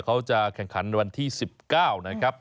เขาจะแข่งขันวันที่๑๙นะครับ